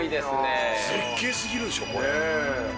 絶景すぎるでしょ、これ。